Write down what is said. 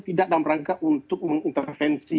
tidak dalam rangka untuk mengintervensi